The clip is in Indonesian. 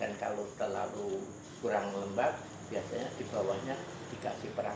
dan kalau terlalu kurang lembab biasanya dibawanya dikasih perapian